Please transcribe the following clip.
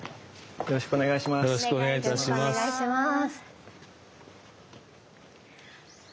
よろしくお願いします。